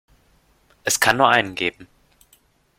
Es kann nur einen geben!